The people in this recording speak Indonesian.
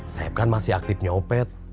saib kan masih aktif nyopet